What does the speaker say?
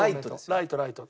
ライトライト。